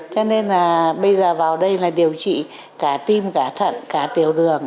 cho nên là bây giờ vào đây là điều trị cả tim cả thận cả tiểu đường